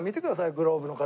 グローブの形。